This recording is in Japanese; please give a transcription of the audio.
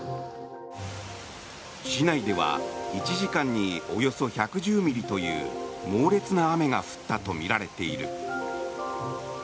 市内では１時間におよそ１１０ミリという猛烈な雨が降ったとみられている。